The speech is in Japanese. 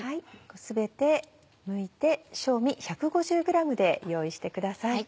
全てむいて正味１５０ｇで用意してください。